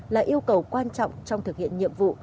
là yêu cầu quan trọng trong thực hiện nhiệm vụ